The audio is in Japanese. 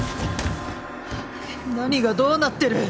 何がどうなってる！？